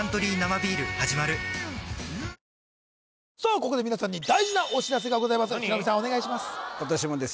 ここで皆さんに大事なお知らせがございますヒロミさん